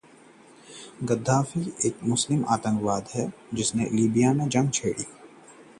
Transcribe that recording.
Gaddafi ने दिये Libya छोड़ने के संकेत